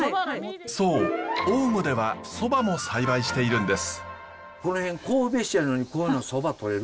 そう淡河ではそばも栽培しているんです。